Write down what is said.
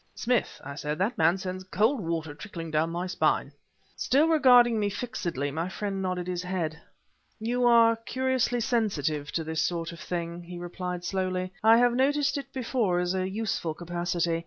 "Smith," I said, "that man sends cold water trickling down my spine!" Still regarding me fixedly, my friend nodded his head. "You are curiously sensitive to this sort of thing," he replied slowly; "I have noticed it before as a useful capacity.